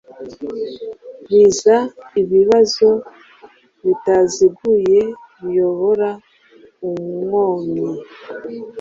Baza ibibazo bitaziguye biyobora umuomyi